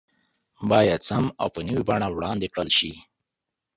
بايد سم او په نوي بڼه وړاندې کړل شي